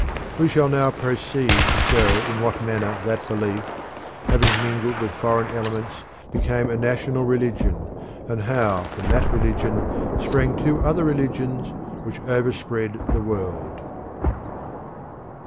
We shall now proceed to show in what manner that belief, having mingled with foreign elements, became a national religion, and how from that religion sprang two other religions which overspread the world.